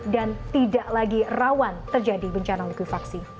dan tidak lagi rawan terjadi bencana lukifaksi